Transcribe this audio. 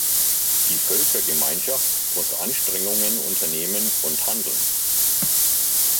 Die Völkergemeinschaft muss Anstrengungen unternehmen und handeln.